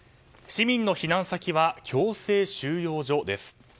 市民の避難先は強制収容所です。